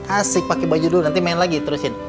asik pakai baju dulu nanti main lagi terusin